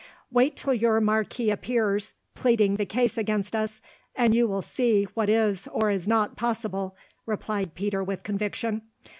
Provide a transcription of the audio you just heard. "Wait till your marquis appears, pleading the case against us, and you will see what is or is not possible," replied Peter with conviction.